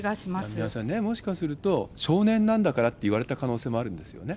宮根さん、もしかすると、少年なんだからって言われた可能性もあるんですよね。